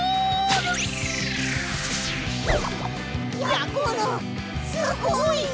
やころすごい！